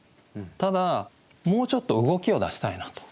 ただもうちょっと動きを出したいなと。